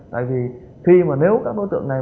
tại vì khi mà nếu các đối tượng này